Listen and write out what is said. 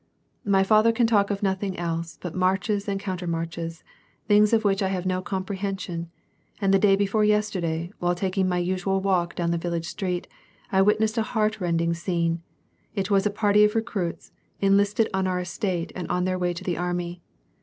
My father can talk of nothing else but marches and countermarches, things of which I have no comprehension, and day before yesterday, wliile taking my usual walk down the village street, I witnessed a heartrending scene: it was a party of recruits, enlisted on our estate and on their way to the army.